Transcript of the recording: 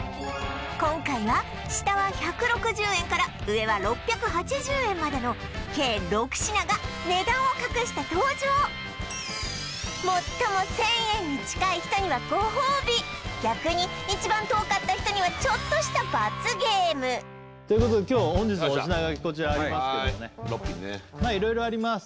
今回は下は１６０円から上は６８０円までの計６品が値段を隠して登場最も１０００円に近い人にはご褒美逆に一番遠かった人にはちょっとした罰ゲームということで今日本日のお品書きこちらありますけどもね６品ねまあ色々あります